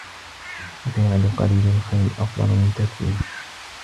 وَفِعْلُ قَلِيلِ الْخَيْرِ أَفْضَلُ مِنْ تَرْكِهِ